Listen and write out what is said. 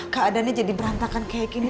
keadaannya jadi berantakan kayak gini